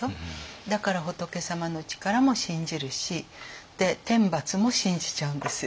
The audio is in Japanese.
だから仏様の力も信じるしで天罰も信じちゃうんですよ。